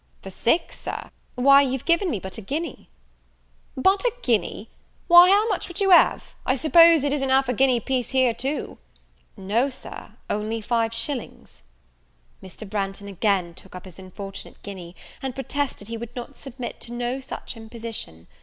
"For six, Sir? why, you're given me but a guinea." "But a guinea! why, how much would you have? I suppose it is'n't half a guinea a piece here too?" "No, Sir, only five shillings." Mr. Branghton again took up his unfortunate guinea, and protested he would not submit to no such imposition.